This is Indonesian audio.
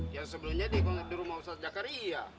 yang sebelumnya di rumah ustaz jakaria